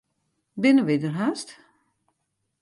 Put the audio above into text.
Binne wy der hast?